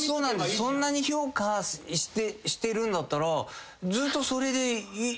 そんなに評価してるんだったら。って思って。